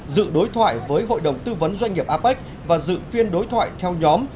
dự đối thoại với hội đồng tư vấn doanh nghiệp apec và dự phiên đối thoại theo nhóm